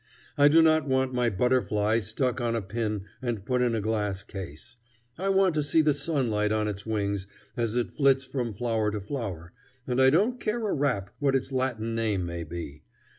I do not want my butterfly stuck on a pin and put in a glass case. I want to see the sunlight on its wings as it flits from flower to flower, and I don't care a rap what its Latin name may be.